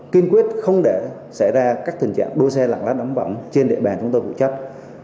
kiên quyết không để xảy ra các tình trạng đua xe lạng lắt đám võng trên địa bàn chúng tôi phụ trách